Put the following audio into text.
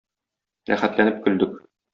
Рәхәтләнеп көлдек.